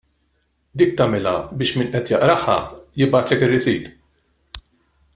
Dik tagħmilha biex min qed jaqraha jibgħatlek ir-receipt.